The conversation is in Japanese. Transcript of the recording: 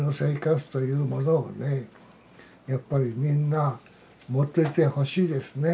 やっぱりみんな持っといてほしいですね。